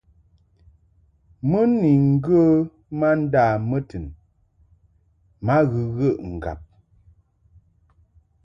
Mɨ ni ŋgə ma nda mɨtin ma ghəghəʼ ŋgab.